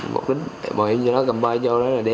một đứa mời em cho nó cầm vai cho nó đi